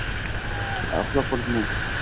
Ha, uxlab qolibman